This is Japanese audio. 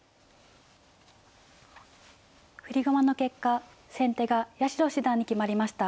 振り駒の結果先手が八代七段に決まりました。